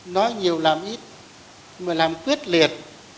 nói nhiều làm ít mà làm quyết liệt